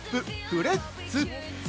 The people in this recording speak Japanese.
「フレッツ」！